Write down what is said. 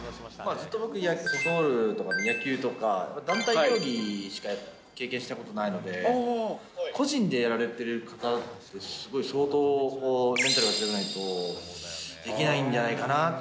ずっと僕、ソフトボールとか野球とか、団体競技しか経験したことないので、個人でやれてる方ってすごい相当メンタルが強くないと、できないんじゃないかなって